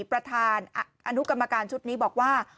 ประธานอนุกรรมการชุดนี้บอกว่า